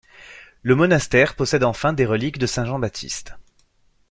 Le monastère possède enfin des reliques de Saint-Jean Baptiste.